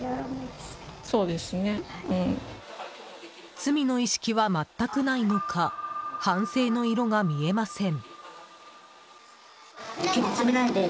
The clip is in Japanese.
罪の意識は全くないのか反省の色が見えません。